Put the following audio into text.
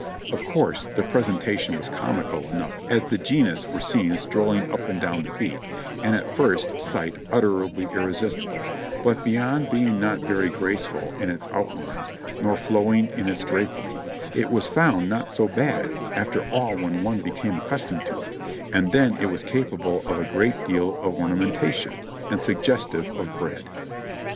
Of course the presentation was comical enough as the genus were seen strolling up and down the beat, and at first sight utterly irresistible, but beyond being not very graceful in its outlines nor flowing in its drapery, it was found not so bad after all when one became accustomed to it, and then it was capable of a great deal of ornamentation, and suggestive of bread.